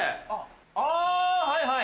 あはいはい。